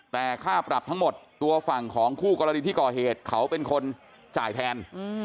แต่ค่าปรับทั้งหมดตัวฝั่งของคู่กรณีที่ก่อเหตุเขาเป็นคนจ่ายแทน